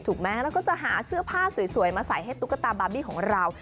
เราก็จะหาเสื้อผ้าสวยมาใส่ให้ตุ๊กตาบาร์บี้ของเรา